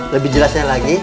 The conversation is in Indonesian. lebih jelasnya lagi